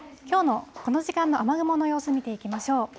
きょうのこの時間の雨雲の様子、見ていきましょう。